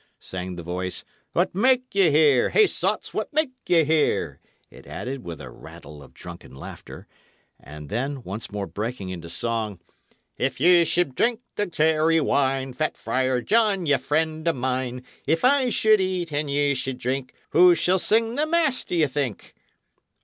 sang the voice. "What make ye here? Hey! sots, what make ye here?" it added, with a rattle of drunken laughter; and then, once more breaking into song: "If ye should drink the clary wine, Fat Friar John, ye friend o' mine If I should eat, and ye should drink, Who shall sing the mass, d'ye think?"